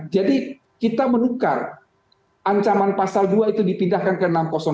jadi kita menukar ancaman pasal dua itu dipindahkan ke enam ratus tiga